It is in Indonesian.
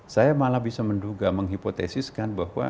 saya malah bisa menduga menghipotesiskan bahwa